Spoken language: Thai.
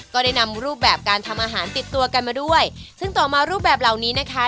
ก็ได้นำรูปแบบการทำอาหารติดตัวกันมาด้วยซึ่งต่อมารูปแบบเหล่านี้นะคะ